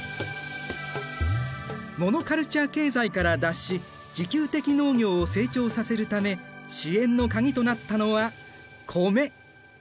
モノカルチャー経済から脱し自給的農業を成長させるため支援の鍵となったのはコメ。